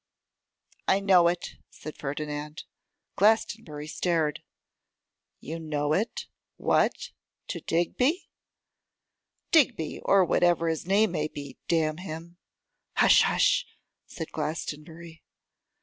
'I know it,' said Ferdinand. Glastonbury stared. 'You know it? what! to Digby?' 'Digby, or whatever his name may be; damn him!' 'Hush! hush!' said Glastonbury.